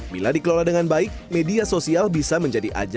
bila dikelola dengan baik media sosial bisa menjadi ajang